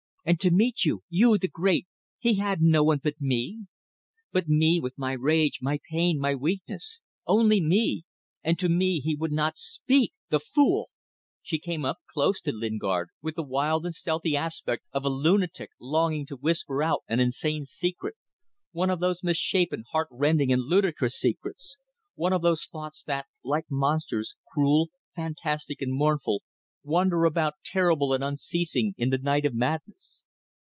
And to meet you you, the great! he had no one but me? But me with my rage, my pain, my weakness. Only me! And to me he would not even speak. The fool!" She came up close to Lingard, with the wild and stealthy aspect of a lunatic longing to whisper out an insane secret one of those misshapen, heart rending, and ludicrous secrets; one of those thoughts that, like monsters cruel, fantastic, and mournful, wander about terrible and unceasing in the night of madness.